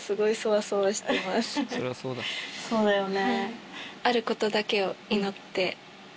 そうだよね。